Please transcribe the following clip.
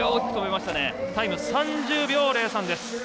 タイム、３０秒０３です。